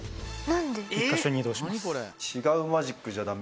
１か所に移動します。